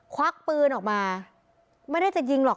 ควักปืนออกมาไม่ได้จะยิงหรอก